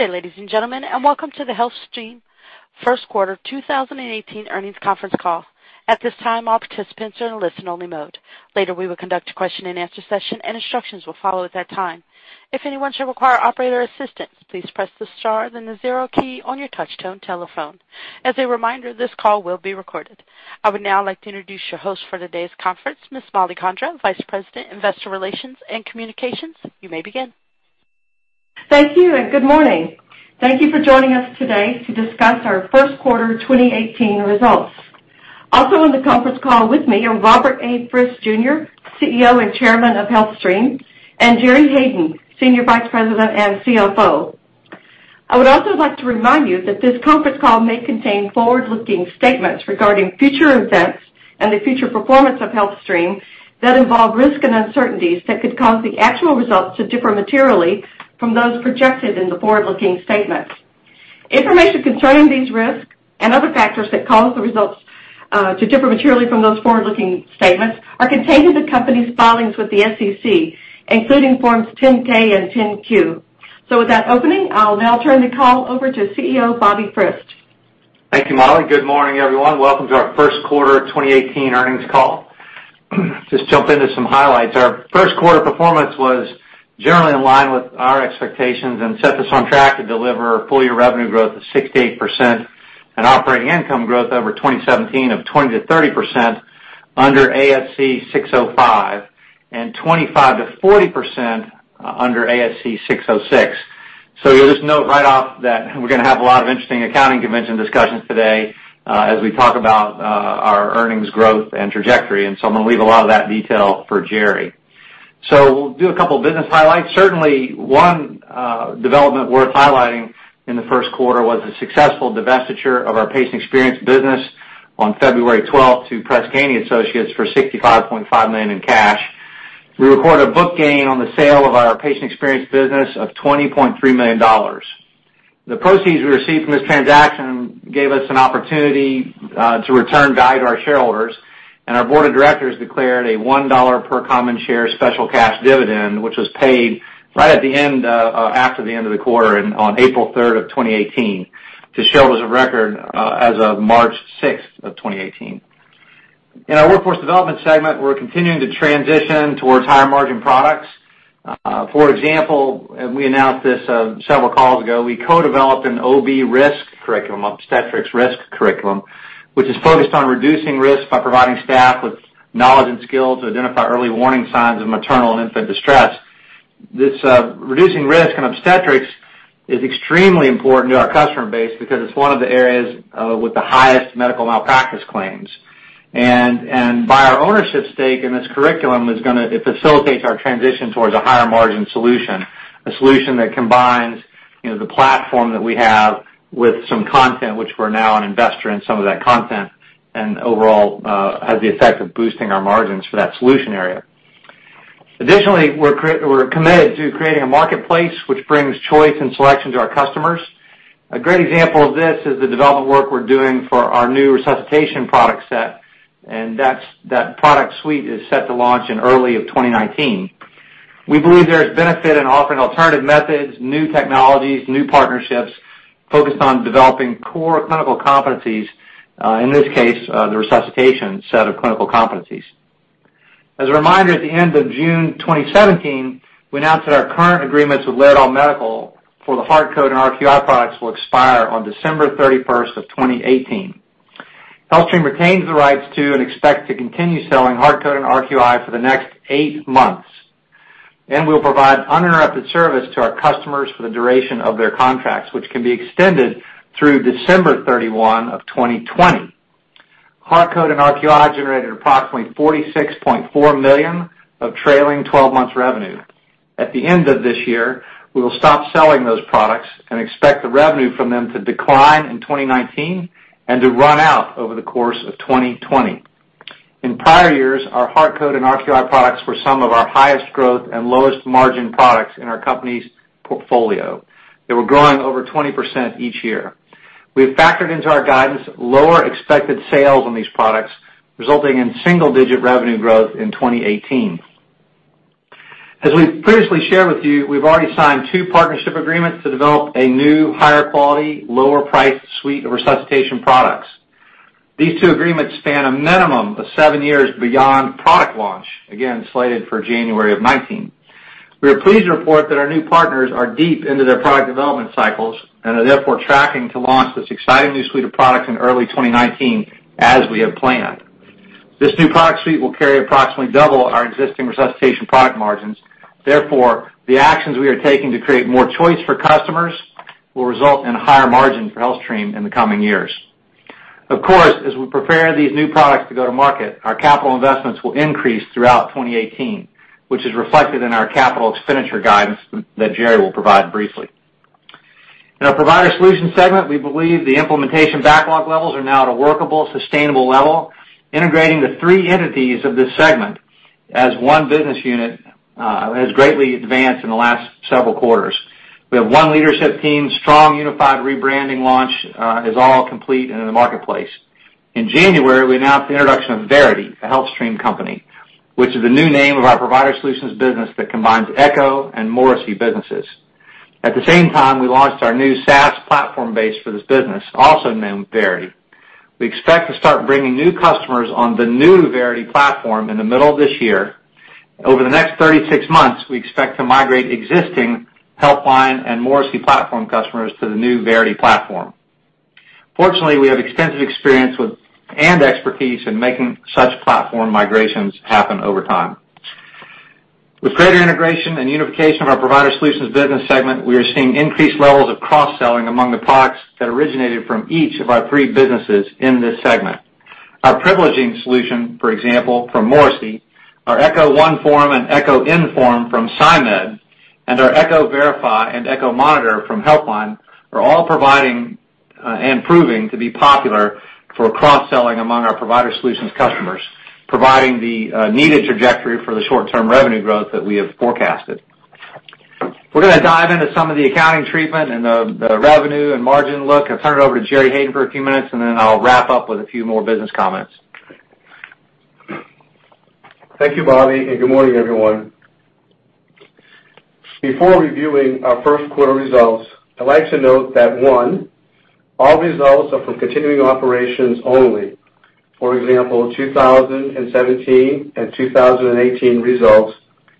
Good day, ladies and gentlemen, and welcome to the HealthStream first quarter 2018 earnings conference call. At this time, all participants are in listen only mode. Later, we will conduct a question and answer session, and instructions will follow at that time. If anyone should require operator assistance, please press the star then the zero key on your touchtone telephone. As a reminder, this call will be recorded. I would now like to introduce your host for today's conference, Ms. Mollie Condra, Vice President, Investor Relations and Communications. You may begin. Thank you. Good morning. Thank you for joining us today to discuss our first quarter 2018 results. Also on the conference call with me are Robert A. Frist Jr., CEO and Chairman of HealthStream, and Jerry Hayden, Senior Vice President and CFO. I would also like to remind you that this conference call may contain forward-looking statements regarding future events and the future performance of HealthStream that involve risks and uncertainties that could cause the actual results to differ materially from those projected in the forward-looking statements. Information concerning these risks and other factors that cause the results to differ materially from those forward-looking statements are contained in the company's filings with the SEC, including Forms 10-K and 10-Q. With that opening, I'll now turn the call over to CEO, Bobby Frist. Thank you, Mollie. Good morning, everyone. Welcome to our first quarter 2018 earnings call. Just jump into some highlights. Our first quarter performance was generally in line with our expectations and sets us on track to deliver full-year revenue growth of 6%-8% and operating income growth over 2017 of 20%-30% under ASC 605 and 25%-40% under ASC 606. You'll just note right off that we're going to have a lot of interesting accounting convention discussions today as we talk about our earnings growth and trajectory. I'm going to leave a lot of that detail for Jerry. We'll do a couple of business highlights. Certainly, one development worth highlighting in the first quarter was the successful divestiture of our patient experience business on February 12th to Press Ganey Associates for $65.5 million in cash. We recorded a book gain on the sale of our patient experience business of $20.3 million. The proceeds we received from this transaction gave us an opportunity to return value to our shareholders. Our board of directors declared a $1 per common share special cash dividend, which was paid right after the end of the quarter on April 3rd of 2018 to shareholders of record as of March 6th of 2018. In our workforce development segment, we're continuing to transition towards higher margin products. For example, we announced this several calls ago, we co-developed an OB risk curriculum, obstetrics risk curriculum, which is focused on reducing risk by providing staff with knowledge and skills to identify early warning signs of maternal and infant distress. This reducing risk in obstetrics is extremely important to our customer base because it's one of the areas with the highest medical malpractice claims. Buy our ownership stake in this curriculum, it facilitates our transition towards a higher margin solution, a solution that combines the platform that we have with some content, which we're now an investor in some of that content, and overall, has the effect of boosting our margins for that solution area. Additionally, we're committed to creating a marketplace which brings choice and selection to our customers. A great example of this is the development work we're doing for our new resuscitation product set, and that product suite is set to launch in early 2019. We believe there is benefit in offering alternative methods, new technologies, new partnerships focused on developing core clinical competencies, in this case, the resuscitation set of clinical competencies. As a reminder, at the end of June 2017, we announced that our current agreements with Laerdal Medical for the HeartCode and RQI products will expire on December 31, 2018. HealthStream retains the rights to and expects to continue selling HeartCode and RQI for the next eight months, and we'll provide uninterrupted service to our customers for the duration of their contracts, which can be extended through December 31, 2020. HeartCode and RQI generated approximately $46.4 million of trailing 12 months revenue. At the end of this year, we will stop selling those products and expect the revenue from them to decline in 2019 and to run out over the course of 2020. In prior years, our HeartCode and RQI products were some of our highest growth and lowest margin products in our company's portfolio. They were growing over 20% each year. We have factored into our guidance lower expected sales on these products, resulting in single-digit revenue growth in 2018. As we've previously shared with you, we've already signed two partnership agreements to develop a new, higher quality, lower priced suite of resuscitation products. These two agreements span a minimum of seven years beyond product launch, again slated for January 2019. We are pleased to report that our new partners are deep into their product development cycles and are therefore tracking to launch this exciting new suite of products in early 2019, as we have planned. This new product suite will carry approximately double our existing resuscitation product margins. Therefore, the actions we are taking to create more choice for customers will result in a higher margin for HealthStream in the coming years. Of course, as we prepare these new products to go to market, our capital investments will increase throughout 2018, which is reflected in our capital expenditure guidance that Jerry will provide briefly. In our Provider Solutions segment, we believe the implementation backlog levels are now at a workable, sustainable level. Integrating the three entities of this segment as one business unit has greatly advanced in the last several quarters. We have one leadership team, strong unified rebranding launch is all complete and in the marketplace. In January, we announced the introduction of Verity, a HealthStream company, which is the new name of our Provider Solutions business that combines Echo and Morrissey businesses. At the same time, we launched our new SaaS platform base for this business, also named Verity. We expect to start bringing new customers on the new Verity platform in the middle of this year. Over the next 36 months, we expect to migrate existing HealthLine and Morrisey platform customers to the new Verity platform. Fortunately, we have extensive experience and expertise in making such platform migrations happen over time. With greater integration and unification of our Provider Solutions business segment, we are seeing increased levels of cross-selling among the products that originated from each of our three businesses in this segment. Our privileging solution, for example, from Morrisey, our Echo OneForm and Echo nForm from Sy.Med, and our Echo Verify and Echo Monitor from HealthLine, are all providing and proving to be popular for cross-selling among our Provider Solutions customers, providing the needed trajectory for the short-term revenue growth that we have forecasted. We're going to dive into some of the accounting treatment and the revenue and margin look. I'll turn it over to Jerry Hayden for a few minutes, then I'll wrap up with a few more business comments. Thank you, Bobby, and good morning, everyone. Before reviewing our first quarter results, I'd like to note that, one, all results are from continuing operations only. For example, 2017 and 2018 results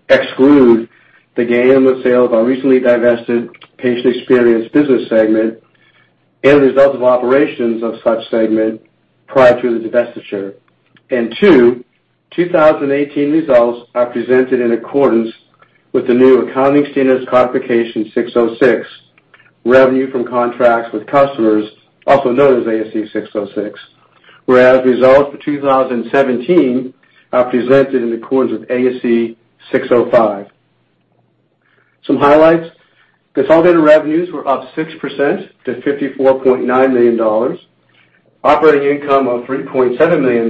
exclude the gain on the sale of our recently divested patient experience business segment and results of operations of such segment prior to the divestiture. Two, 2018 results are presented in accordance with the new Accounting Standards Codification 606, Revenue from Contracts with Customers, also known as ASC 606, whereas results for 2017 are presented in accordance with ASC 605. Some highlights, consolidated revenues were up 6% to $54.9 million. Operating income of $3.7 million in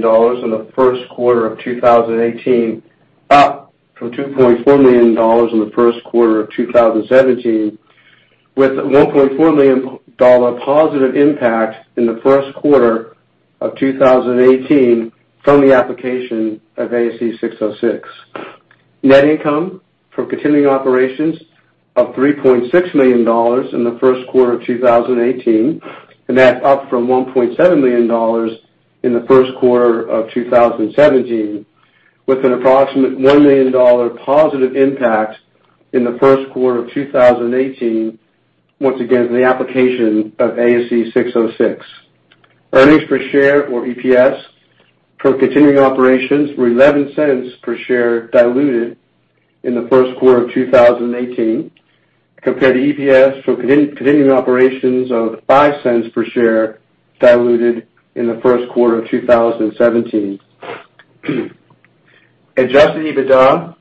the first quarter of 2018, up from $2.4 million in the first quarter of 2017, with a $1.4 million positive impact in the first quarter of 2018 from the application of ASC 606. Net income from continuing operations of $3.6 million in the first quarter of 2018. That's up from $1.7 million in the first quarter of 2017, with an approximate $1 million positive impact in the first quarter of 2018, once again, from the application of ASC 606. Earnings per share or EPS from continuing operations were $0.11 per share diluted in the first quarter of 2018 compared to EPS from continuing operations of $0.05 per share diluted in the first quarter of 2017. Adjusted EBITDA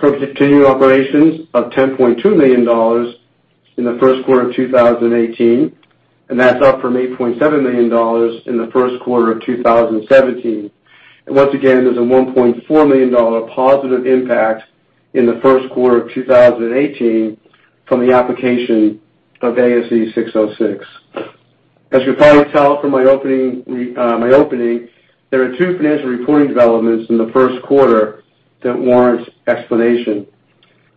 from continuing operations of $10.2 million in the first quarter of 2018, that's up from $8.7 million in the first quarter of 2017. Once again, there's a $1.4 million positive impact in the first quarter of 2018 from the application of ASC 606. As you can probably tell from my opening, there are two financial reporting developments in the first quarter that warrants explanation.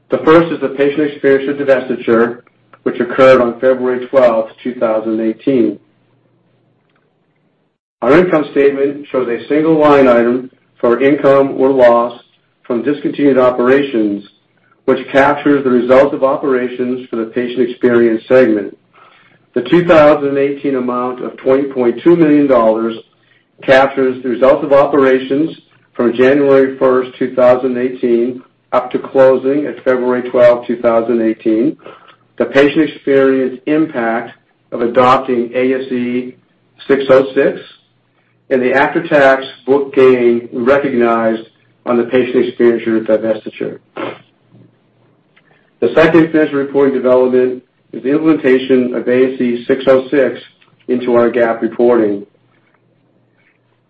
The first is the patient experience or divestiture, which occurred on February 12, 2018. Our income statement shows a single line item for income or loss from discontinued operations, which captures the results of operations for the patient experience segment. The 2018 amount of $20.2 million captures the results of operations from January 1, 2018, up to closing at February 12, 2018, the patient experience impact of adopting ASC 606, and the after-tax book gain recognized on the patient experience divestiture. The second financial reporting development is the implementation of ASC 606 into our GAAP reporting.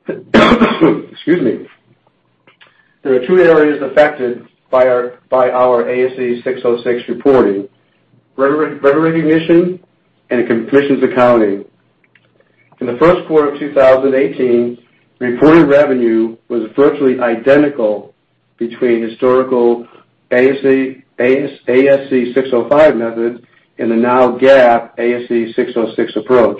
Excuse me. There are two areas affected by our ASC 606 reporting, revenue recognition and commissions accounting. In the first quarter of 2018, reported revenue was virtually identical between historical ASC 605 method and the now GAAP ASC 606 approach.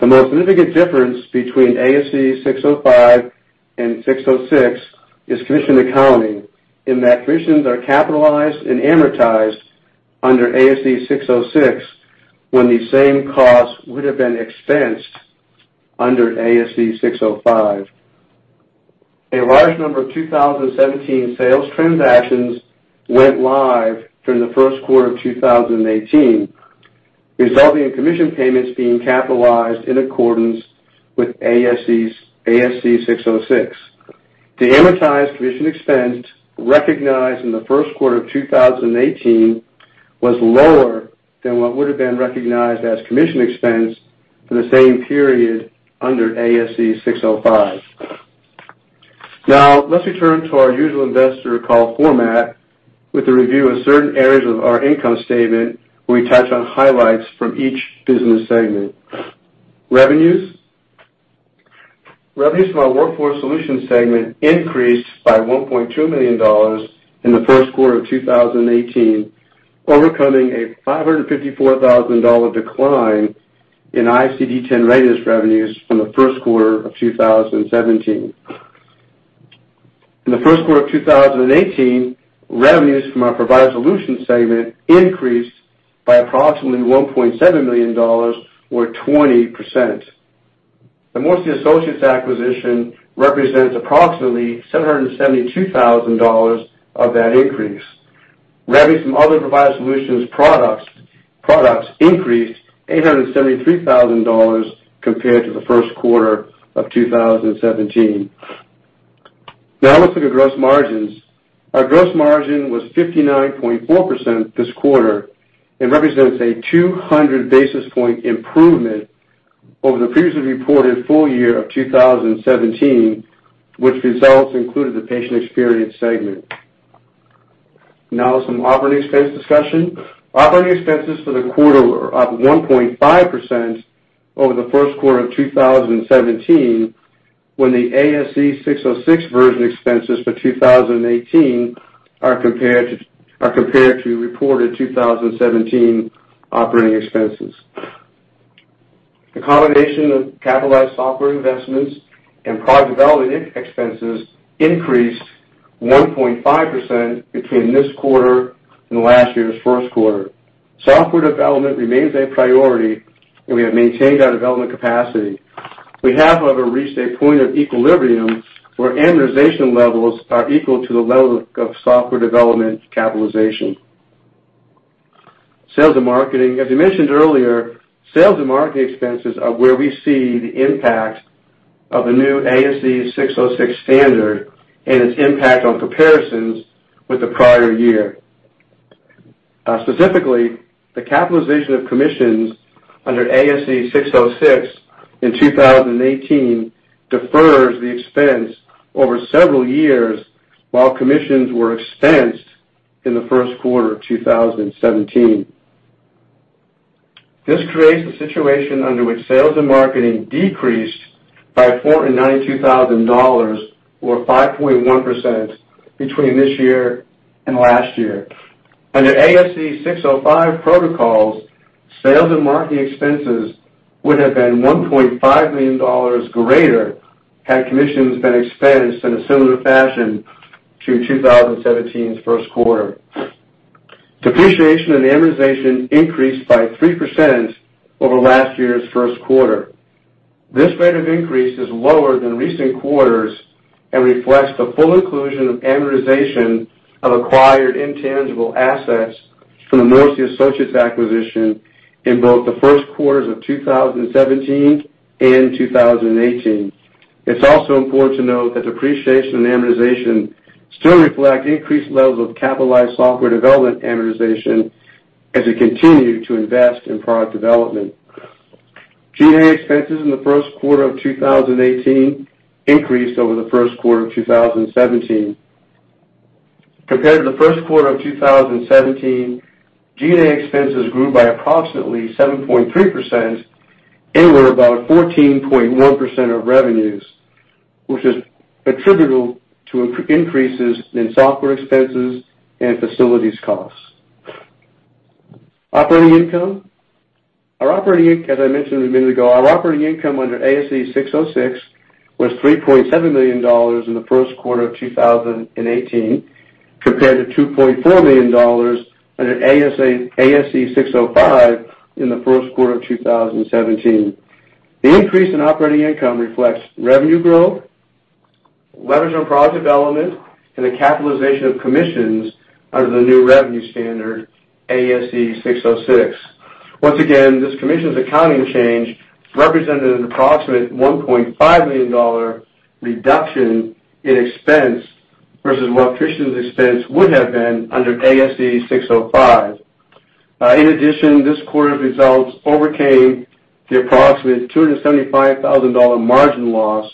The most significant difference between ASC 605 and 606 is commission accounting, in that commissions are capitalized and amortized under ASC 606 when the same costs would have been expensed under ASC 605. A large number of 2017 sales transactions went live during the first quarter of 2018, resulting in commission payments being capitalized in accordance with ASC 606. The amortized commission expense recognized in the first quarter of 2018 was lower than what would have been recognized as commission expense for the same period under ASC 605. Let's return to our usual investor call format with a review of certain areas of our income statement where we touch on highlights from each business segment. Revenues. Revenues from our Workforce Solutions segment increased by $1.2 million in the first quarter of 2018, overcoming a $554,000 decline in ICD-10 revenues from the first quarter of 2017. In the first quarter of 2018, revenues from our Provider Solutions segment increased by approximately $1.7 million or 20%. The Morrisey Associates acquisition represents approximately $772,000 of that increase. Revenues from other Provider Solutions products increased $873,000 compared to the first quarter of 2017. Let's look at gross margins. Our gross margin was 59.4% this quarter and represents a 200 basis point improvement over the previously reported full year of 2017, which results included the Patient Experience segment. Some operating expense discussion. Operating expenses for the quarter were up 1.5% over the first quarter of 2017, when the ASC 606 version expenses for 2018 are compared to reported 2017 operating expenses. The combination of capitalized software investments and product development expenses increased 1.5% between this quarter and last year's first quarter. Software development remains a priority, and we have maintained our development capacity. We have, however, reached a point of equilibrium where amortization levels are equal to the level of software development capitalization. Sales and marketing. As I mentioned earlier, sales and marketing expenses are where we see the impact of the new ASC 606 standard and its impact on comparisons with the prior year. Specifically, the capitalization of commissions under ASC 606 in 2018 defers the expense over several years, while commissions were expensed in the first quarter of 2017. This creates a situation under which sales and marketing decreased by $492,000, or 5.1%, between this year and last year. Under ASC 605 protocols, sales and marketing expenses would have been $1.5 million greater had commissions been expensed in a similar fashion to 2017's first quarter. Depreciation and amortization increased by 3% over last year's first quarter. This rate of increase is lower than recent quarters and reflects the full inclusion of amortization of acquired intangible assets from the Morrisey Associates acquisition in both the first quarters of 2017 and 2018. It is also important to note that depreciation and amortization still reflect increased levels of capitalized software development amortization as we continue to invest in product development. G&A expenses in the first quarter of 2018 increased over the first quarter of 2017. Compared to the first quarter of 2017, G&A expenses grew by approximately 7.3% and were about 14.1% of revenues, which is attributable to increases in software expenses and facilities costs. Operating income. As I mentioned a minute ago, our operating income under ASC 606 was $3.7 million in the first quarter of 2018, compared to $2.4 million under ASC 605 in the first quarter of 2017. The increase in operating income reflects revenue growth, leverage on product development, and the capitalization of commissions under the new revenue standard, ASC 606. Once again, this commission's accounting change represented an approximate $1.5 million reduction in expense versus what commission's expense would have been under ASC 605. In addition, this quarter's results overcame the approximate $275,000 margin loss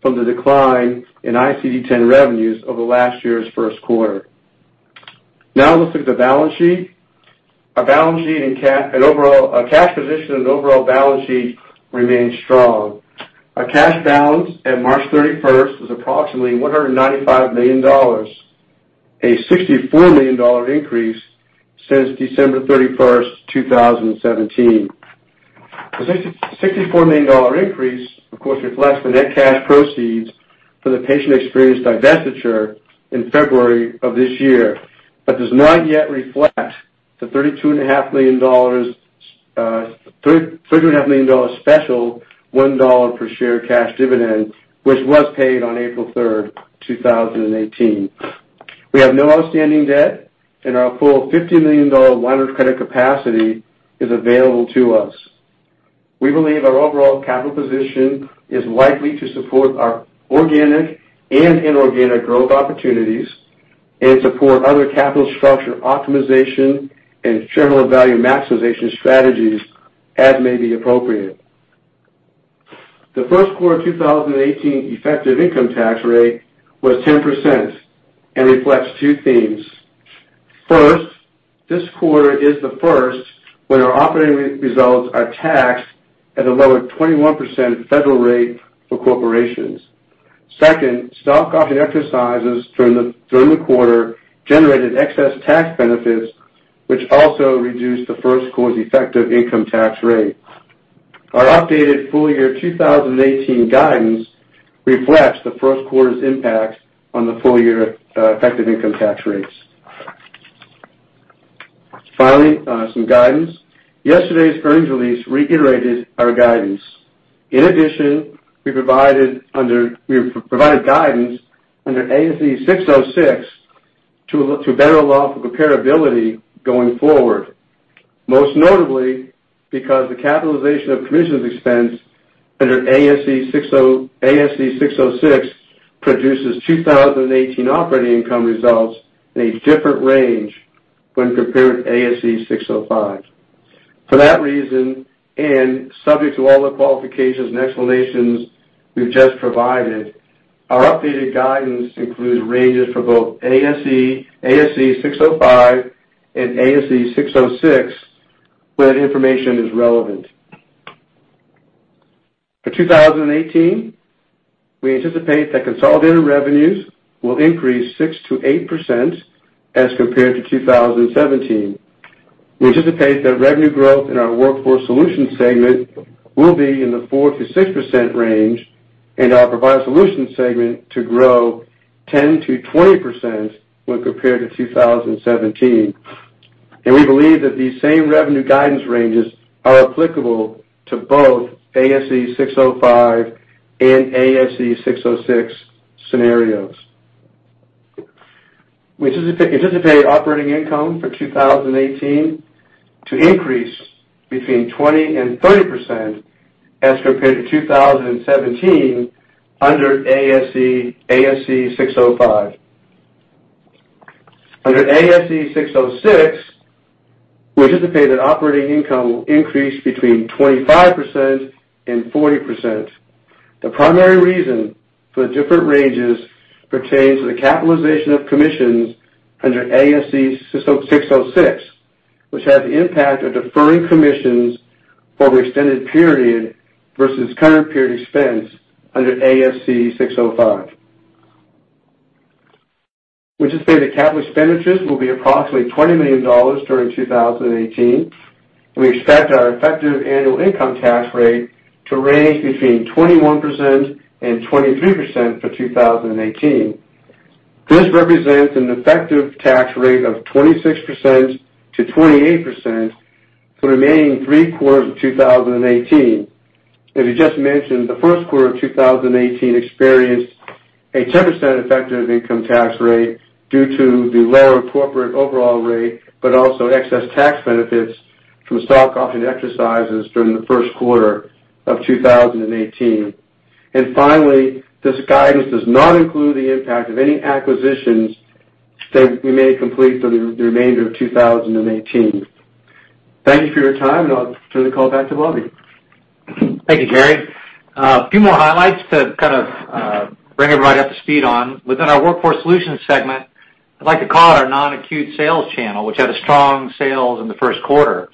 from the decline in ICD-10 revenues over last year's first quarter. Now let's look at the balance sheet. Our cash position and overall balance sheet remain strong. Our cash balance at March 31st was approximately $195 million, a $64 million increase since December 31st, 2017. The $64 million increase, of course, reflects the net cash proceeds for the patient experience divestiture in February of this year, but does not yet reflect the $33.5 million special $1 per share cash dividend, which was paid on April 3rd, 2018. We have no outstanding debt, and our full $50 million line of credit capacity is available to us. We believe our overall capital position is likely to support our organic and inorganic growth opportunities and support other capital structure optimization and shareholder value maximization strategies as may be appropriate. The first quarter 2018 effective income tax rate was 10% and reflects two themes. First, this quarter is the first when our operating results are taxed at a lower 21% federal rate for corporations. Second, stock option exercises during the quarter generated excess tax benefits, which also reduced the first quarter's effective income tax rate. Our updated full-year 2018 guidance reflects the first quarter's impact on the full-year effective income tax rates. Finally, some guidance. Yesterday's earnings release reiterated our guidance. In addition, we provided guidance under ASC 606 to better allow for comparability going forward. Most notably, because the capitalization of commissions expense under ASC 606 produces 2018 operating income results in a different range when compared to ASC 605. For that reason, and subject to all the qualifications and explanations we've just provided, our updated guidance includes ranges for both ASC 605 and ASC 606, where that information is relevant. For 2018, we anticipate that consolidated revenues will increase 6%-8% as compared to 2017. We anticipate that revenue growth in our Workforce Solutions segment will be in the 4%-6% range, and our Provider Solutions segment to grow 10%-20% when compared to 2017. We believe that these same revenue guidance ranges are applicable to both ASC 605 and ASC 606 scenarios. We anticipate operating income for 2018 to increase between 20%-30% as compared to 2017 under ASC 605. Under ASC 606, we anticipate that operating income will increase between 25%-40%. The primary reason for the different ranges pertains to the capitalization of commissions under ASC 606, which has the impact of deferring commissions over extended period versus current period expense under ASC 605. We anticipate that capital expenditures will be approximately $20 million during 2018. We expect our effective annual income tax rate to range between 21%-23% for 2018. This represents an effective tax rate of 26%-28% for the remaining three quarters of 2018. As we just mentioned, the first quarter of 2018 experienced a 10% effective income tax rate due to the lower corporate overall rate, but also excess tax benefits from stock option exercises during the first quarter of 2018. Finally, this guidance does not include the impact of any acquisitions that we may complete for the remainder of 2018. Thank you for your time, and I'll turn the call back to Bobby. Thank you, Jerry. A few more highlights to kind of bring everybody up to speed on. Within our Workforce Solutions segment, I'd like to call out our non-acute sales channel, which had strong sales in the first quarter.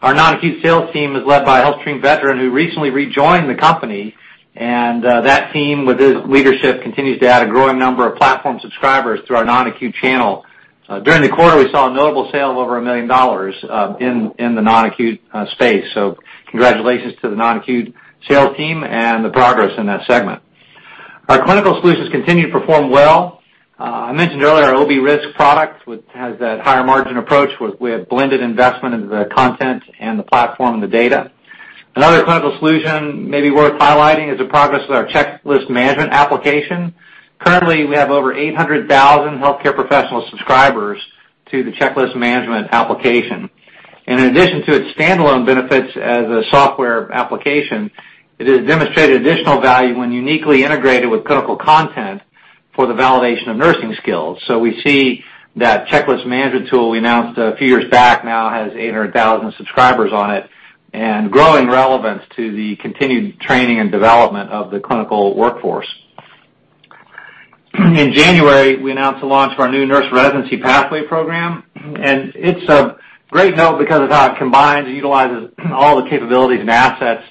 Our non-acute sales team is led by a HealthStream veteran who recently rejoined the company, and that team, with his leadership, continues to add a growing number of platform subscribers through our non-acute channel. During the quarter, we saw a notable sale of over $1 million in the non-acute space. Congratulations to the non-acute sales team and the progress in that segment. Our clinical solutions continue to perform well. I mentioned earlier our OB Risk product, which has that higher margin approach with blended investment into the content and the platform and the data. Another clinical solution may be worth highlighting is the progress with our checklist management application. Currently, we have over 800,000 healthcare professional subscribers to the checklist management application. In addition to its standalone benefits as a software application, it has demonstrated additional value when uniquely integrated with clinical content for the validation of nursing skills. We see that checklist management tool we announced a few years back now has 800,000 subscribers on it, and growing relevance to the continued training and development of the clinical workforce. In January, we announced the launch of our new Nurse Residency Pathway program, and it's of great help because of how it combines and utilizes all the capabilities and assets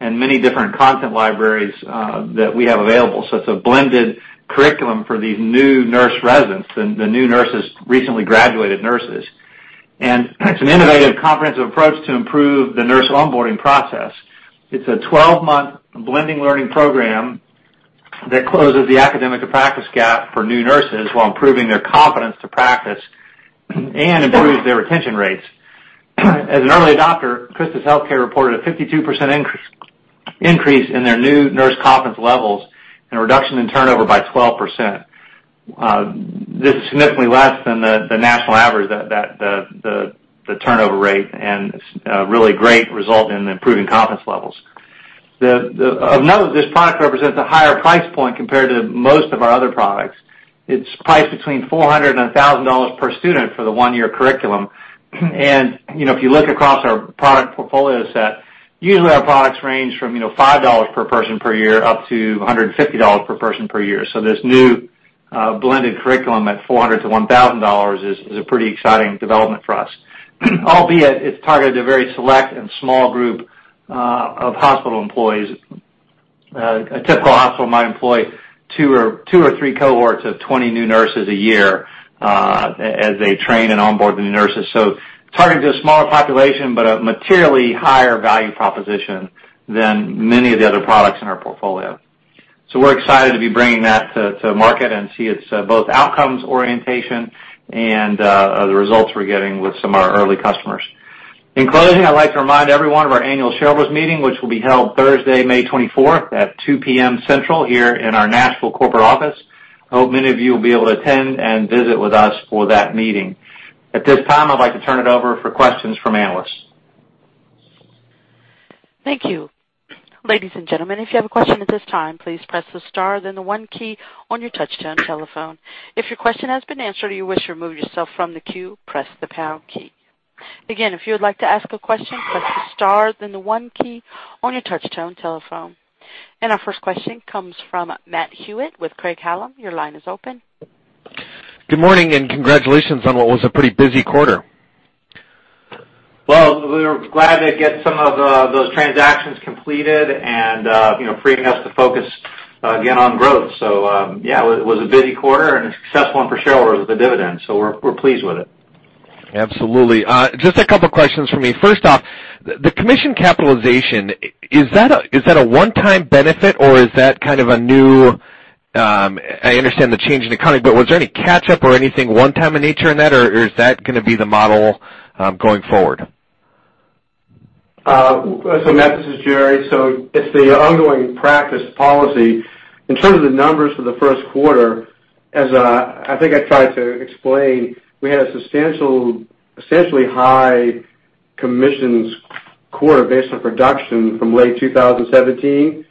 and many different content libraries that we have available. It's a blended curriculum for these new nurse residents and the new nurses, recently graduated nurses. It's an innovative, comprehensive approach to improve the nurse onboarding process. It's a 12-month blended-learning program that closes the academic to practice gap for new nurses while improving their confidence to practice and improves their retention rates. As an early adopter, CHRISTUS Health reported a 52% increase in their new nurse confidence levels and a reduction in turnover by 12%. This is significantly less than the national average, the turnover rate, and it's a really great result in improving confidence levels. Of note, this product represents a higher price point compared to most of our other products. It's priced between $400 and $1,000 per student for the one-year curriculum. If you look across our product portfolio set, usually our products range from $5 per person per year up to $150 per person per year. This new blended curriculum at $400 to $1,000 is a pretty exciting development for us. Albeit, it's targeted to a very select and small group of hospital employees. A typical hospital might employ two or three cohorts of 20 new nurses a year, as they train and onboard the new nurses. Targeted to a smaller population, but a materially higher value proposition than many of the other products in our portfolio. We're excited to be bringing that to market and see its both outcomes orientation and the results we're getting with some of our early customers. In closing, I'd like to remind everyone of our annual shareholders meeting, which will be held Thursday, May 24th at 2:00 P.M. Central here in our Nashville corporate office. I hope many of you will be able to attend and visit with us for that meeting. At this time, I'd like to turn it over for questions from analysts. Thank you. Ladies and gentlemen, if you have a question at this time, please press the star, then the one key on your touch-tone telephone. If your question has been answered or you wish to remove yourself from the queue, press the pound key. Again, if you would like to ask a question, press the star, then the one key on your touch-tone telephone. Our first question comes from Matt Hewitt with Craig-Hallum. Your line is open. Good morning. Congratulations on what was a pretty busy quarter. We were glad to get some of those transactions completed and freeing us to focus again on growth. Yeah, it was a busy quarter and a successful one for shareholders with the dividends. We're pleased with it. Absolutely. Just a couple of questions from me. First off, the commission capitalization, is that a one-time benefit, or is that kind of a new? I understand the change in accounting, but was there any catch-up or anything one-time in nature in that, or is that going to be the model going forward? Matt, this is Jerry. It's the ongoing practice policy. In terms of the numbers for the first quarter, as I think I tried to explain, we had a substantially high commissions quarter based on production from late 2017.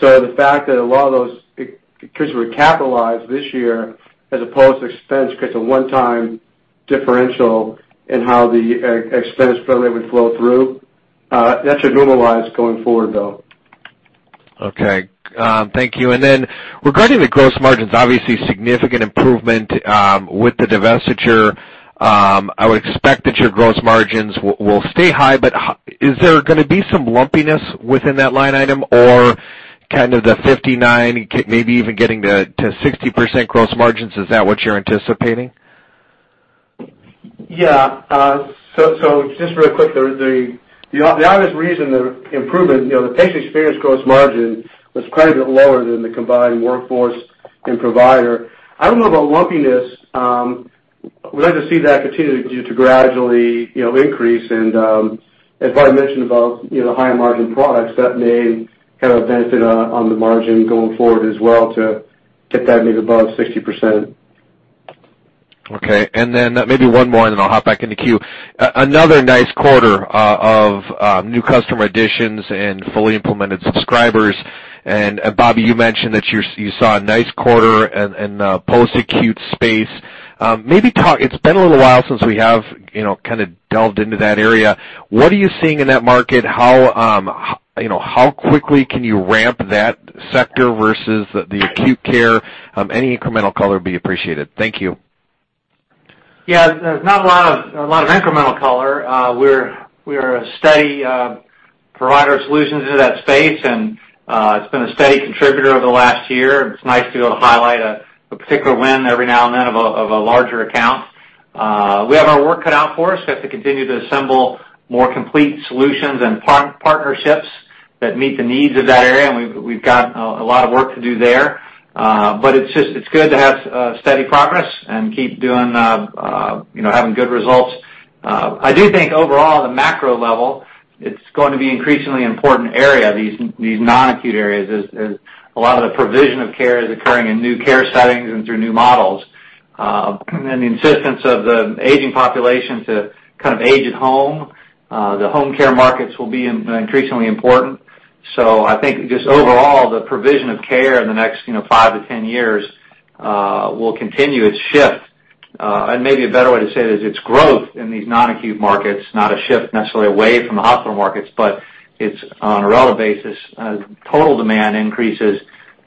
The fact that a lot of those, because we're capitalized this year as opposed to expense, creates a one-time differential in how the expense really would flow through. That should normalize going forward, though. Okay. Thank you. Then regarding the gross margins, obviously significant improvement with the divestiture. I would expect that your gross margins will stay high, but is there going to be some lumpiness within that line item or kind of the 59%, maybe even getting to 60% gross margins? Is that what you're anticipating? Yeah. Just really quick, the obvious reason the improvement, the patient experience gross margin was quite a bit lower than the combined workforce and provider. I don't know about lumpiness. We'd like to see that continue to gradually increase. As Bobby mentioned about the higher margin products, that may have a benefit on the margin going forward as well to get that maybe above 60%. Okay, maybe one more, then I'll hop back in the queue. Another nice quarter of new customer additions and fully implemented subscribers. Bobby, you mentioned that you saw a nice quarter in the post-acute space. It's been a little while since we have delved into that area. What are you seeing in that market? How quickly can you ramp that sector versus the acute care? Any incremental color would be appreciated. Thank you. Yeah. There's not a lot of incremental color. We are a steady provider of solutions into that space, and it's been a steady contributor over the last year, and it's nice to be able to highlight a particular win every now and then of a larger account. We have our work cut out for us. We have to continue to assemble more complete solutions and partnerships that meet the needs of that area, and we've got a lot of work to do there. It's good to have steady progress and keep having good results. I do think overall, the macro level, it's going to be an increasingly important area, these non-acute areas. As a lot of the provision of care is occurring in new care settings and through new models. The insistence of the aging population to age at home, the home care markets will be increasingly important. I think just overall, the provision of care in the next 5 to 10 years will continue its shift. Maybe a better way to say it is its growth in these non-acute markets, not a shift necessarily away from the hospital markets, but it's on a relative basis. As total demand increases,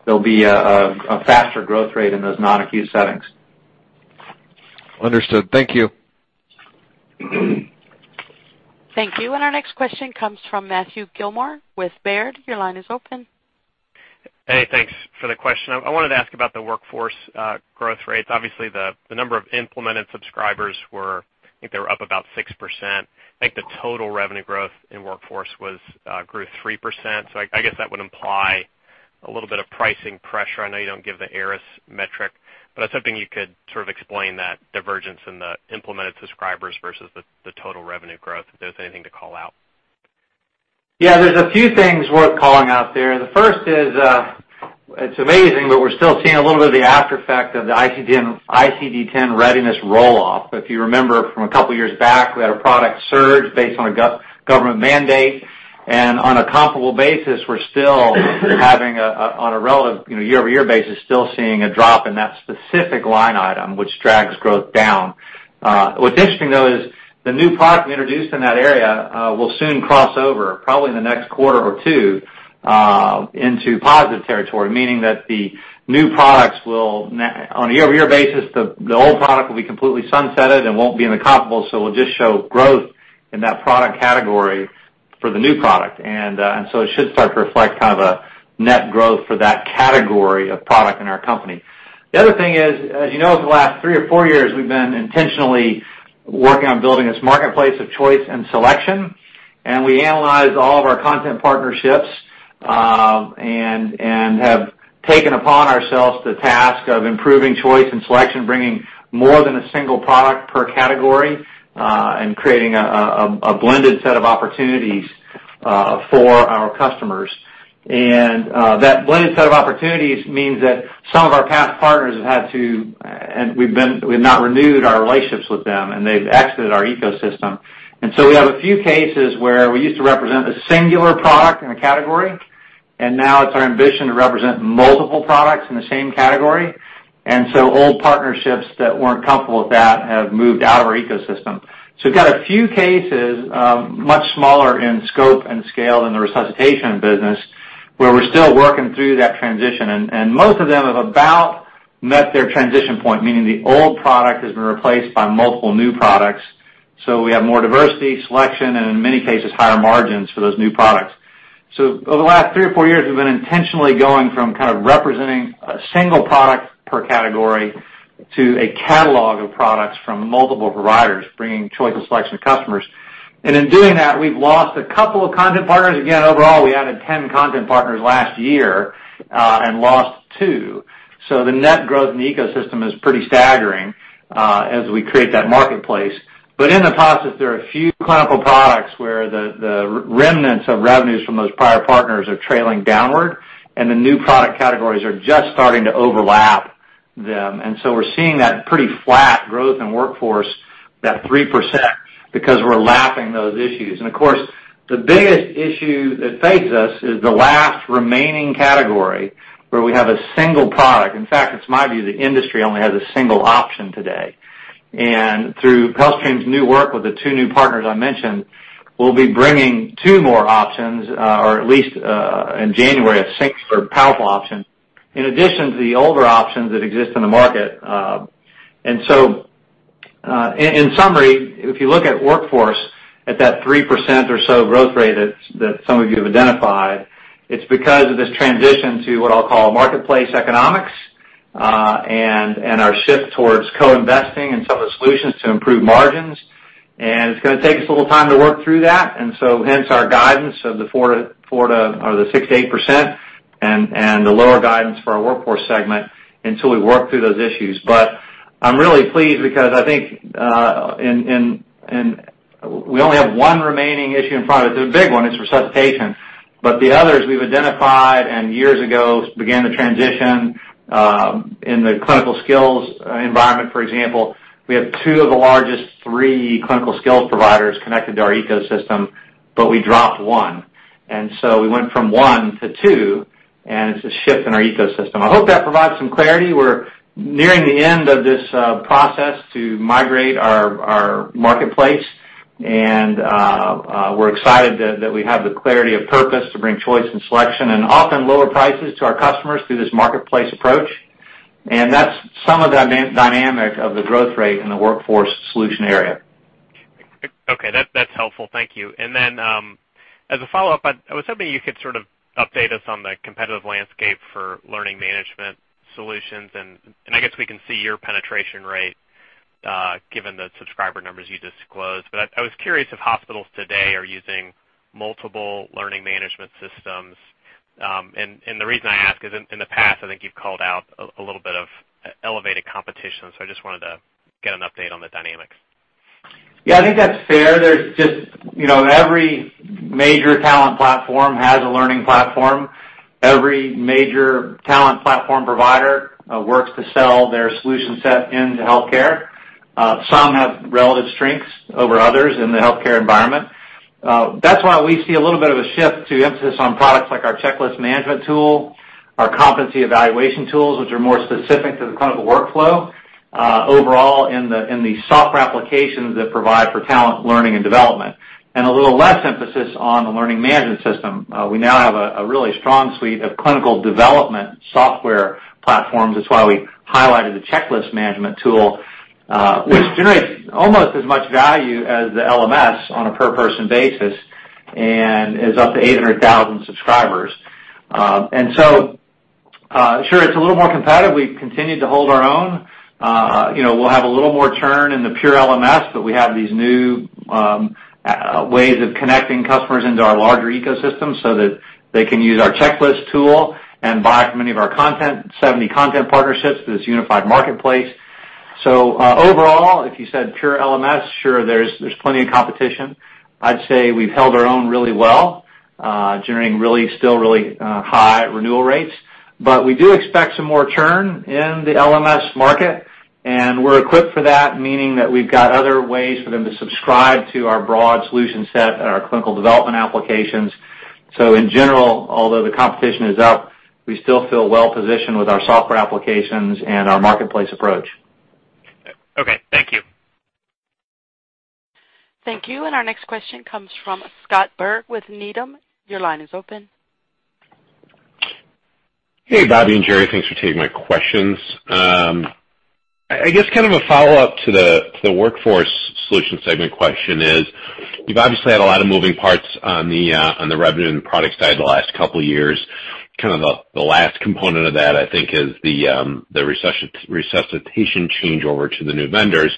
there'll be a faster growth rate in those non-acute settings. Understood. Thank you. Thank you. Our next question comes from Matthew Gillmor with Baird. Your line is open. Hey, thanks for the question. I wanted to ask about the workforce growth rates. Obviously, the number of implemented subscribers were, I think they were up about 6%. I think the total revenue growth in workforce grew 3%. I guess that would imply a little bit of pricing pressure. I know you don't give the ARPS metric, but I was hoping you could sort of explain that divergence in the implemented subscribers versus the total revenue growth, if there's anything to call out. Yeah, there's a few things worth calling out there. The first is, it's amazing, but we're still seeing a little bit of the aftereffect of the ICD-10 readiness roll-off. If you remember from a couple of years back, we had a product surge based on a government mandate. On a comparable basis, we're still having, on a relative year-over-year basis, still seeing a drop in that specific line item, which drags growth down. What's interesting, though, is the new product we introduced in that area will soon cross over, probably in the next quarter or two, into positive territory, meaning that the new products will, on a year-over-year basis, the old product will be completely sunsetted and won't be in the comparable. We'll just show growth in that product category for the new product. It should start to reflect a net growth for that category of product in our company. The other thing is, as you know, over the last three or four years, we've been intentionally working on building this marketplace of choice and selection, and we analyze all of our content partnerships, and have taken upon ourselves the task of improving choice and selection, bringing more than a single product per category, and creating a blended set of opportunities for our customers. That blended set of opportunities means that some of our past partners. We've not renewed our relationships with them, and they've exited our ecosystem. We have a few cases where we used to represent a singular product in a category, and now it's our ambition to represent multiple products in the same category. Old partnerships that weren't comfortable with that have moved out of our ecosystem. We've got a few cases, much smaller in scope and scale in the resuscitation business, where we're still working through that transition. Most of them have about met their transition point, meaning the old product has been replaced by multiple new products. We have more diversity, selection, and in many cases, higher margins for those new products. Over the last three or four years, we've been intentionally going from representing a single product per category to a catalog of products from multiple providers, bringing choice and selection to customers. In doing that, we've lost a couple of content partners. Again, overall, we added 10 content partners last year and lost 2. The net growth in the ecosystem is pretty staggering as we create that marketplace. In the process, there are a few clinical products where the remnants of revenues from those prior partners are trailing downward, and the new product categories are just starting to overlap them. We're seeing that pretty flat growth in Workforce, that 3%, because we're lapping those issues. Of course, the biggest issue that faces us is the last remaining category where we have a single product. In fact, it's my view the industry only has a single option today. Through HealthStream's new work with the two new partners I mentioned, we'll be bringing two more options, or at least in January, [hStream] is a powerful option, in addition to the older options that exist in the market. In summary, if you look at Workforce at that 3% or so growth rate that some of you have identified, it's because of this transition to what I'll call marketplace economics, and our shift towards co-investing in some of the solutions to improve margins. It's going to take us a little time to work through that, hence our guidance of the 6%-8%, and the lower guidance for our Workforce segment until we work through those issues. I'm really pleased because I think we only have one remaining issue and product. It's a big one, it's resuscitation. The others we've identified and years ago began to transition, in the clinical skills environment, for example. We have 2 of the largest three clinical skills providers connected to our ecosystem, but we dropped one. We went from one to two, and it's a shift in our ecosystem. I hope that provides some clarity. We're nearing the end of this process to migrate our marketplace. We're excited that we have the clarity of purpose to bring choice and selection and often lower prices to our customers through this marketplace approach. That's some of the dynamic of the growth rate in the Workforce solution area. Okay. That's helpful. Thank you. As a follow-up, I was hoping you could sort of update us on the competitive landscape for learning management solutions. I guess we can see your penetration rate, given the subscriber numbers you disclosed. I was curious if hospitals today are using multiple learning management systems. The reason I ask is in the past, I think you've called out a little bit of elevated competition, so I just wanted to get an update on the dynamics. Yeah, I think that's fair. Every major talent platform has a learning platform. Every major talent platform provider works to sell their solution set into healthcare. Some have relative strengths over others in the healthcare environment. That's why we see a little bit of a shift to emphasis on products like our checklist management tool, our competency evaluation tools, which are more specific to the clinical workflow, overall in the software applications that provide for talent, learning, and development. A little less emphasis on the learning management system. We now have a really strong suite of clinical development software platforms. That's why we highlighted the checklist management tool, which generates almost as much value as the LMS on a per-person basis and is up to 800,000 subscribers. Sure, it's a little more competitive. We've continued to hold our own. We'll have a little more churn in the pure LMS, but we have these new ways of connecting customers into our larger ecosystem so that they can use our checklist tool and buy many of our content, 70 content partnerships through this unified marketplace. Overall, if you said pure LMS, sure, there's plenty of competition. I'd say we've held our own really well, generating still really high renewal rates. We do expect some more churn in the LMS market, we're equipped for that, meaning that we've got other ways for them to subscribe to our broad solution set and our clinical development applications. In general, although the competition is up, we still feel well-positioned with our software applications and our marketplace approach. Okay. Thank you. Thank you. Our next question comes from Scott Berg with Needham. Your line is open. Hey, Bobby and Jerry, thanks for taking my questions. I guess kind of a follow-up to the Workforce Solutions segment question is, you've obviously had a lot of moving parts on the revenue and the product side the last couple of years. Kind of the last component of that, I think, is the Resuscitation changeover to the new vendors.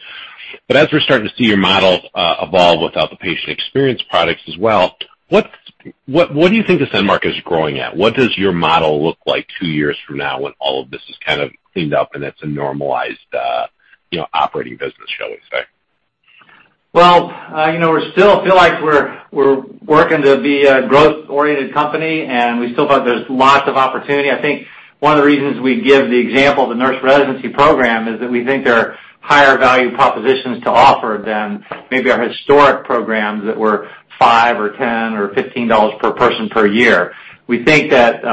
As we're starting to see your model evolve without the patient experience products as well, what do you think this end market is growing at? What does your model look like two years from now when all of this is kind of cleaned up and it's a normalized operating business, shall we say? Well, we still feel like we're working to be a growth-oriented company, and we still thought there's lots of opportunity. I think one of the reasons we give the example of the Nurse Residency program is that we think there are higher value propositions to offer than maybe our historic programs that were $5 or $10 or $15 per person per year. We think that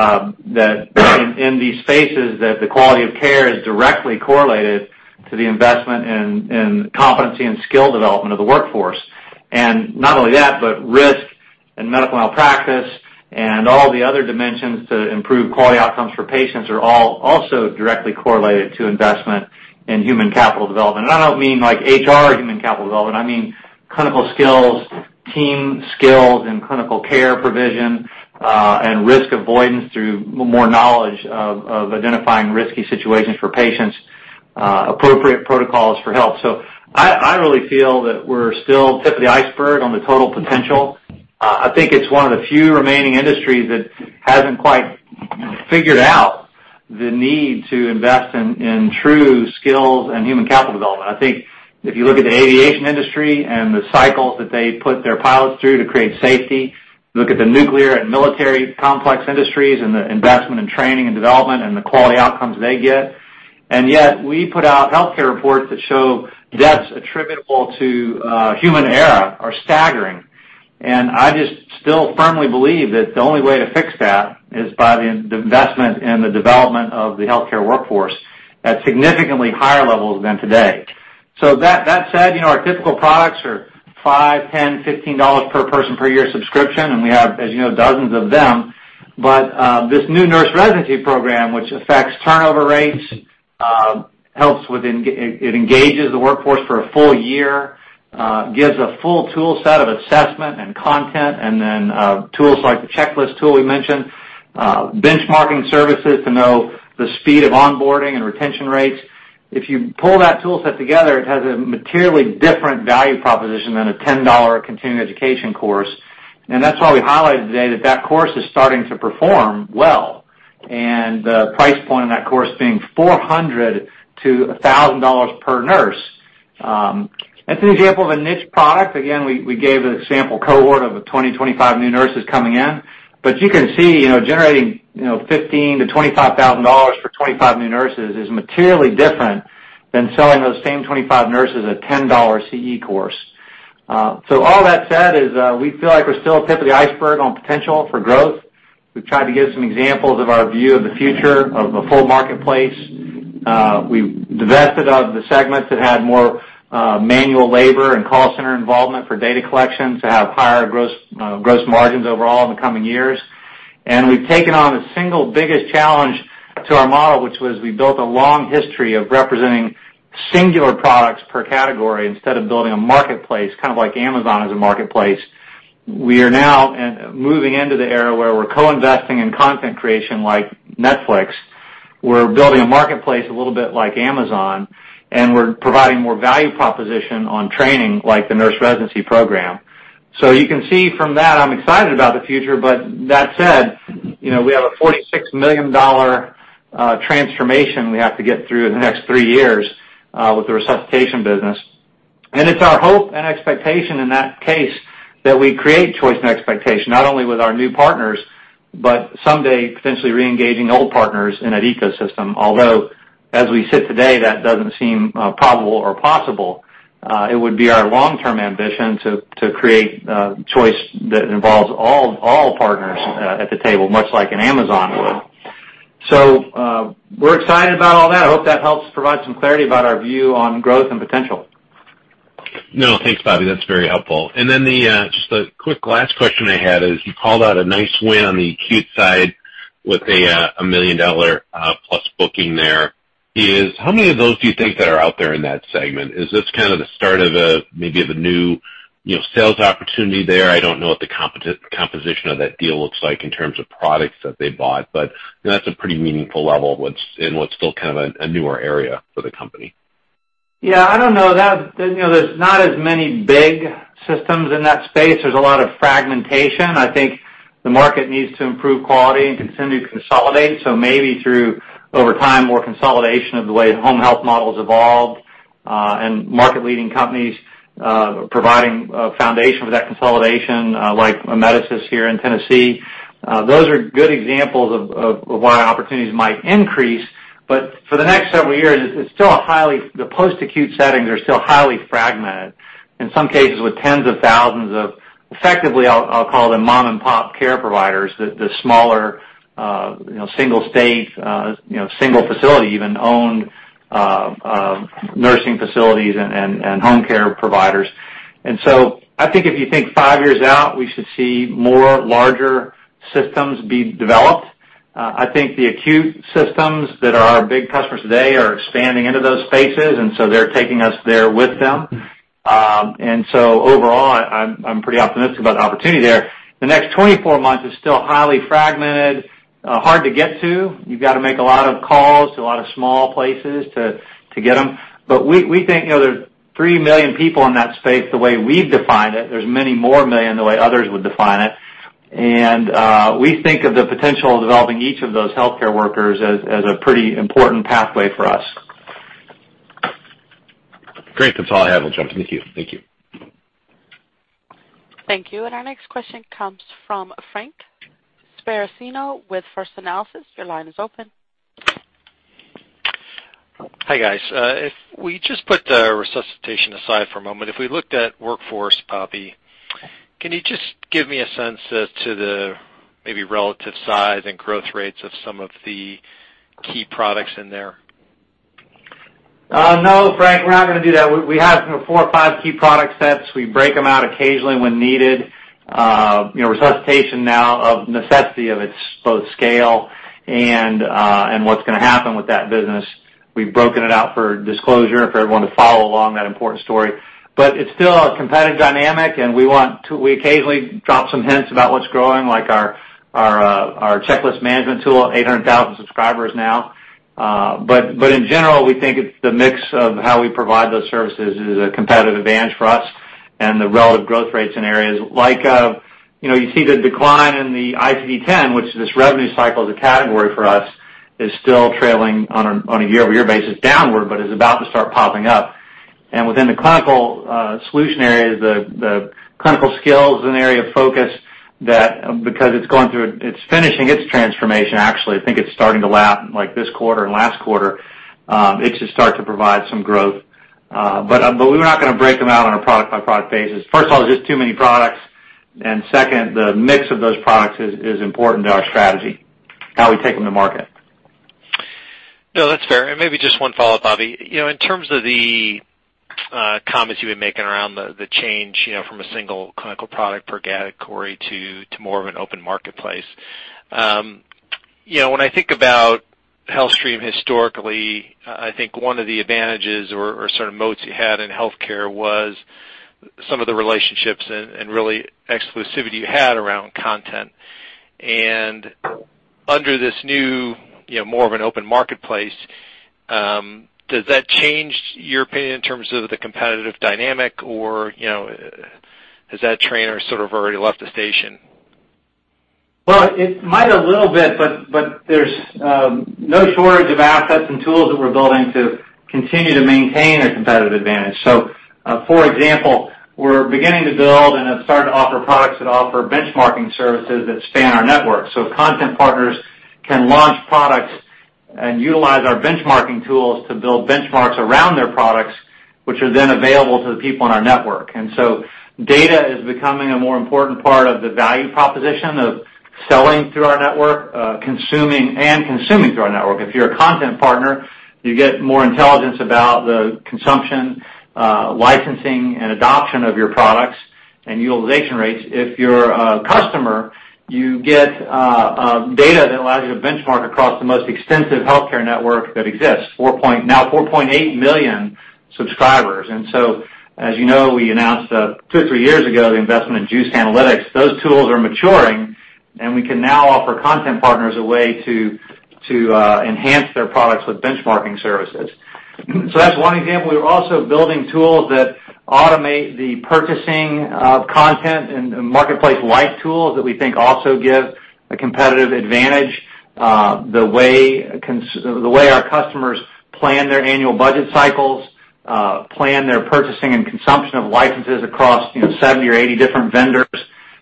in these spaces, that the quality of care is directly correlated to the investment in competency and skill development of the workforce. Not only that, but risk and medical malpractice and all the other dimensions to improve quality outcomes for patients are all also directly correlated to investment in human capital development. I don't mean like HR human capital development, I mean clinical skills, team skills and clinical care provision, and risk avoidance through more knowledge of identifying risky situations for patients, appropriate protocols for help. I really feel that we're still tip of the iceberg on the total potential. I think it's one of the few remaining industries that hasn't quite figured out the need to invest in true skills and human capital development. I think if you look at the aviation industry and the cycles that they put their pilots through to create safety, look at the nuclear and military complex industries and the investment in training and development and the quality outcomes they get. Yet we put out healthcare reports that show deaths attributable to human error are staggering. I just still firmly believe that the only way to fix that is by the investment in the development of the healthcare workforce at significantly higher levels than today. That said, our typical products are $5, $10, $15 per person per year subscription, and we have, as you know, dozens of them. This new Nurse Residency Program, which affects turnover rates, it engages the workforce for a full year, gives a full tool set of assessment and content, and then tools like the checklist tool we mentioned, benchmarking services to know the speed of onboarding and retention rates. If you pull that tool set together, it has a materially different value proposition than a $10 continuing education course. That's why we highlighted today that that course is starting to perform well. The price point in that course being $400-$1,000 per nurse. That's an example of a niche product. Again, we gave a sample cohort of the 20, 25 new nurses coming in. You can see, generating $15,000-$25,000 for 25 new nurses is materially different than selling those same 25 nurses a $10 CE course. All that said is, we feel like we're still tip of the iceberg on potential for growth. We've tried to give some examples of our view of the future of the full marketplace. We've divested of the segments that had more manual labor and call center involvement for data collection to have higher gross margins overall in the coming years. We've taken on the single biggest challenge to our model, which was we built a long history of representing singular products per category instead of building a marketplace, kind of like Amazon is a marketplace. We are now moving into the era where we're co-investing in content creation like Netflix. We're building a marketplace a little bit like Amazon, and we're providing more value proposition on training, like the Nurse Residency Program. You can see from that, I'm excited about the future. That said, we have a $46 million transformation we have to get through in the next three years with the Resuscitation Business. It's our hope and expectation in that case that we create choice and expectation, not only with our new partners, but someday potentially reengaging old partners in that ecosystem. Although, as we sit today, that doesn't seem probable or possible. It would be our long-term ambition to create choice that involves all partners at the table, much like an Amazon would. We're excited about all that. I hope that helps provide some clarity about our view on growth and potential. No, thanks, Bobby. That's very helpful. Just a quick last question I had is, you called out a nice win on the acute side with a $1 million-plus booking there. How many of those do you think that are out there in that segment? Is this kind of the start of maybe the new sales opportunity there? I don't know what the composition of that deal looks like in terms of products that they bought, but that's a pretty meaningful level in what's still kind of a newer area for the company. I don't know. There's not as many big systems in that space. There's a lot of fragmentation. I think the market needs to improve quality and continue to consolidate. Maybe through, over time, more consolidation of the way home health models evolve. Market leading companies providing a foundation for that consolidation like Amedisys here in Tennessee. Those are good examples of why opportunities might increase. But for the next several years, the post-acute settings are still highly fragmented, in some cases with tens of thousands of effectively, I'll call them mom-and-pop care providers, the smaller, single state, single facility even, owned nursing facilities and home care providers. I think if you think five years out, we should see more larger systems be developed. I think the acute systems that are our big customers today are expanding into those spaces, they're taking us there with them. Overall, I'm pretty optimistic about the opportunity there. The next 24 months is still highly fragmented, hard to get to. You've got to make a lot of calls to a lot of small places to get them. But we think there's three million people in that space, the way we've defined it. There's many more million the way others would define it. We think of the potential of developing each of those healthcare workers as a pretty important pathway for us. Great. That's all I have. I'll jump in the queue. Thank you. Thank you. Our next question comes from Frank Sparacino with First Analysis. Your line is open. Hi, guys. If we just put resuscitation aside for a moment, if we looked at Workforce, Bobby, can you just give me a sense as to the maybe relative size and growth rates of some of the key products in there? No, Frank, we're not going to do that. We have four or five key product sets. We break them out occasionally when needed. Resuscitation now of necessity of its both scale and what's going to happen with that business. We've broken it out for disclosure and for everyone to follow along that important story. It's still a competitive dynamic, and we occasionally drop some hints about what's growing, like our checklist management tool, 800,000 subscribers now. In general, we think it's the mix of how we provide those services is a competitive advantage for us and the relative growth rates in areas like, you see the decline in the ICD10, which this revenue cycle as a category for us, is still trailing on a year-over-year basis downward, but is about to start popping up. Within the clinical solution areas, the clinical skills is an area of focus that because it's going through, it's finishing its transformation, actually, I think it's starting to lap like this quarter and last quarter, it should start to provide some growth. We're not going to break them out on a product by product basis. First of all, there's just too many products, and second, the mix of those products is important to our strategy, how we take them to market. No, that's fair. Maybe just one follow-up, Bobby. In terms of the comments you've been making around the change from a single clinical product per category to more of an open marketplace. When I think about HealthStream historically, I think one of the advantages or sort of moats you had in healthcare was some of the relationships and really exclusivity you had around content. Under this new, more of an open marketplace, does that change your opinion in terms of the competitive dynamic, or has that train sort of already left the station? Well, it might a little bit, but there's no shortage of assets and tools that we're building to continue to maintain a competitive advantage. For example, we're beginning to build and have started to offer products that offer benchmarking services that span our network. Content partners can launch products and utilize our benchmarking tools to build benchmarks around their products, which are then available to the people on our network. Data is becoming a more important part of the value proposition of selling through our network, consuming, and consuming through our network. If you're a content partner, you get more intelligence about the consumption, licensing, and adoption of your products and utilization rates. If you're a customer, you get data that allows you to benchmark across the most extensive healthcare network that exists, now 4.8 million subscribers. As you know, we announced two, three years ago, the investment in Juice Analytics. Those tools are maturing, and we can now offer content partners a way to enhance their products with benchmarking services. That's one example. We are also building tools that automate the purchasing of content and marketplace-wide tools that we think also give a competitive advantage. The way our customers plan their annual budget cycles, plan their purchasing and consumption of licenses across 70 or 80 different vendors.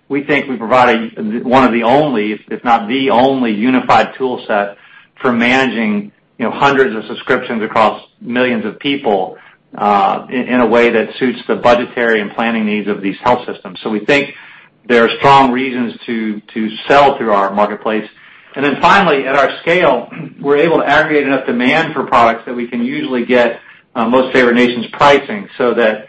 We think we provide one of the only, if not the only unified tool set for managing hundreds of subscriptions across millions of people, in a way that suits the budgetary and planning needs of these health systems. We think there are strong reasons to sell through our marketplace. Finally, at our scale, we're able to aggregate enough demand for products that we can usually get most favored nations pricing so that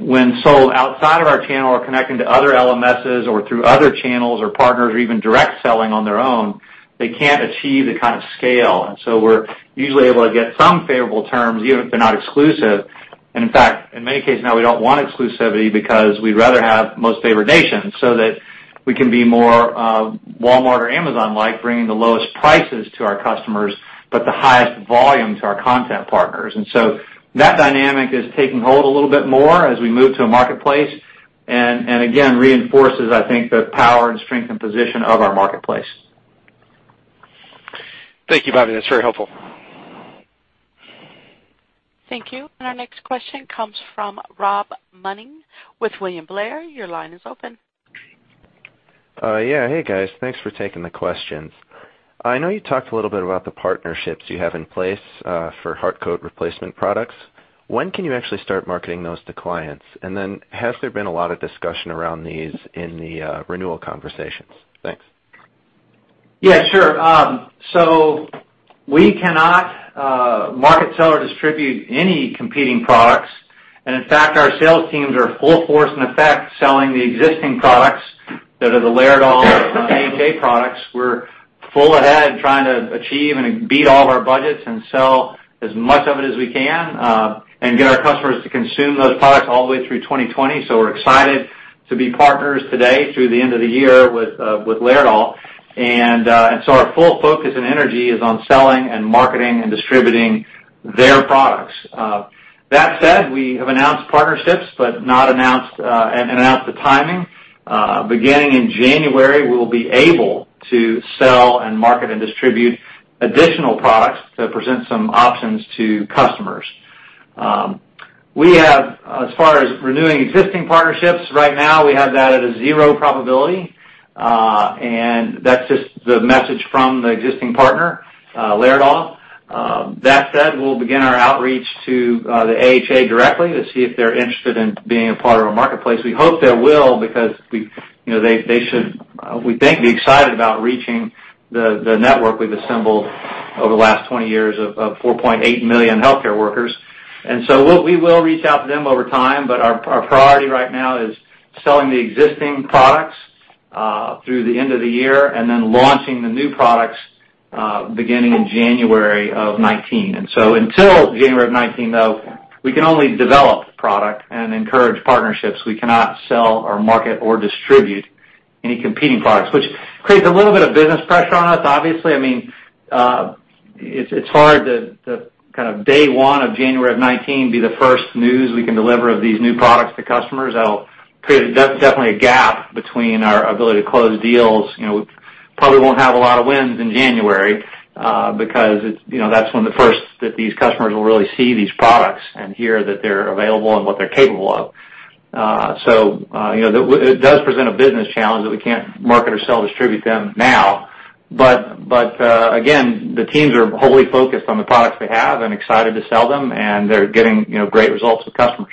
when sold outside of our channel or connecting to other LMSs or through other channels or partners or even direct selling on their own, they can't achieve the kind of scale. We're usually able to get some favorable terms, even if they're not exclusive. In fact, in many cases now, we don't want exclusivity because we'd rather have most favored nations so that we can be more Walmart or Amazon-like, bringing the lowest prices to our customers, but the highest volume to our content partners. That dynamic is taking hold a little bit more as we move to a marketplace, and again, reinforces, I think, the power and strength and position of our marketplace. Thank you, Bobby. That's very helpful. Thank you. Our next question comes from Ryan Daniels with William Blair. Your line is open. Yeah. Hey, guys. Thanks for taking the questions. I know you talked a little bit about the partnerships you have in place for HeartCode replacement products. When can you actually start marketing those to clients? Has there been a lot of discussion around these in the renewal conversations? Thanks. Yeah, sure. We cannot market, sell, or distribute any competing products. In fact, our sales teams are full force, in effect, selling the existing products that are the Laerdal AHA products. We're full ahead trying to achieve and beat all of our budgets and sell as much of it as we can, and get our customers to consume those products all the way through 2020. We're excited to be partners today through the end of the year with Laerdal. Our full focus and energy is on selling and marketing and distributing their products. That said, we have announced partnerships but not announced the timing. Beginning in January, we will be able to sell and market and distribute additional products to present some options to customers. We have, as far as renewing existing partnerships right now, we have that at a zero probability. That's just the message from the existing partner, Laerdal. That said, we'll begin our outreach to the AHA directly to see if they're interested in being a part of our marketplace. We hope they will because they should, we think, be excited about reaching the network we've assembled over the last 20 years of 4.8 million healthcare workers. We will reach out to them over time, but our priority right now is selling the existing products through the end of the year and then launching the new products beginning in January of 2019. Until January of 2019, though, we can only develop product and encourage partnerships. We cannot sell or market or distribute any competing products, which creates a little bit of business pressure on us, obviously. It's hard to kind of day one of January of 2019 be the first news we can deliver of these new products to customers. That'll create definitely a gap between our ability to close deals. We probably won't have a lot of wins in January, because that's when the first that these customers will really see these products and hear that they're available and what they're capable of. It does present a business challenge that we can't market or sell, distribute them now. Again, the teams are wholly focused on the products they have and excited to sell them, and they're getting great results with customers.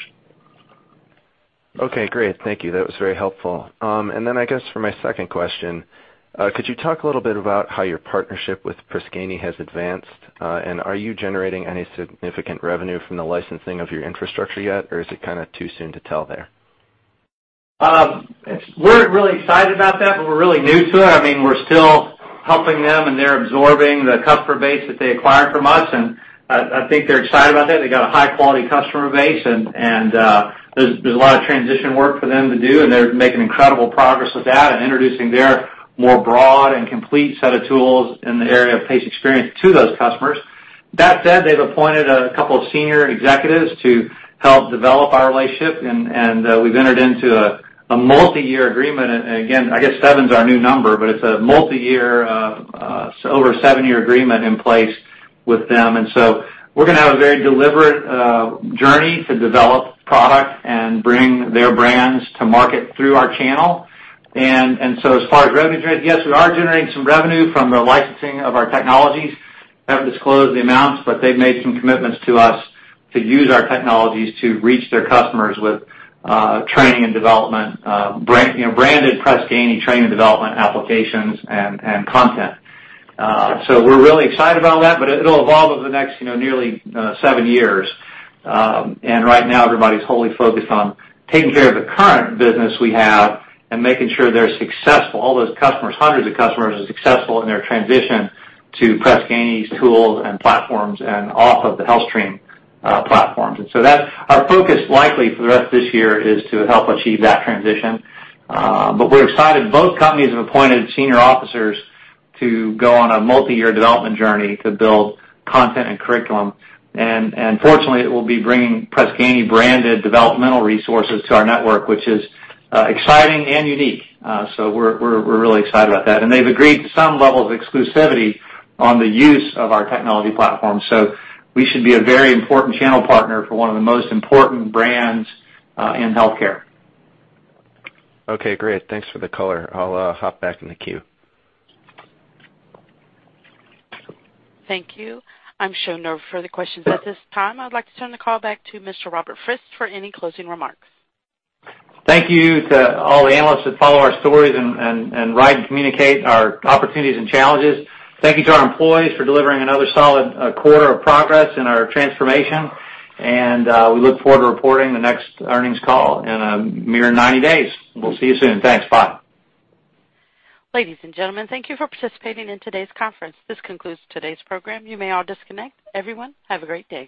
Okay, great. Thank you. That was very helpful. I guess for my second question, could you talk a little bit about how your partnership with Press Ganey has advanced? Are you generating any significant revenue from the licensing of your infrastructure yet, or is it kind of too soon to tell there? We're really excited about that, but we're really new to it. We're still helping them. They're absorbing the customer base that they acquired from us. I think they're excited about that. They got a high-quality customer base. There's a lot of transition work for them to do. They're making incredible progress with that and introducing their more broad and complete set of tools in the area of patient experience to those customers. That said, they've appointed a couple of senior executives to help develop our relationship. We've entered into a multiyear agreement. Again, I guess seven's our new number, but it's a multiyear, over seven-year agreement in place with them. We're going to have a very deliberate journey to develop product and bring their brands to market through our channel. As far as revenue generation, yes, we are generating some revenue from the licensing of our technologies. Can't disclose the amounts. They've made some commitments to us to use our technologies to reach their customers with training and development, branded Press Ganey training and development applications and content. We're really excited about that, but it'll evolve over the next nearly seven years. Right now, everybody's wholly focused on taking care of the current business we have and making sure they're successful. All those customers, hundreds of customers, are successful in their transition to Press Ganey's tools and platforms and off of the HealthStream platforms. Our focus likely for the rest of this year is to help achieve that transition. We're excited. Both companies have appointed senior officers to go on a multi-year development journey to build content and curriculum. Fortunately, it will be bringing Press Ganey-branded developmental resources to our network, which is exciting and unique. We're really excited about that. They've agreed to some level of exclusivity on the use of our technology platform. We should be a very important channel partner for one of the most important brands in healthcare. Okay, great. Thanks for the color. I'll hop back in the queue. Thank you. I'm showing no further questions at this time. I'd like to turn the call back to Mr. Robert Frist for any closing remarks. Thank you to all the analysts that follow our stories and write and communicate our opportunities and challenges. Thank you to our employees for delivering another solid quarter of progress in our transformation. We look forward to reporting the next earnings call in a mere 90 days. We'll see you soon. Thanks. Bye. Ladies and gentlemen, thank you for participating in today's conference. This concludes today's program. You may all disconnect. Everyone, have a great day.